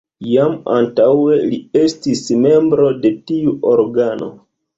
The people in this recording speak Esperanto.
Jam antaŭe li estis membro de tiu organo.